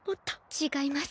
違います。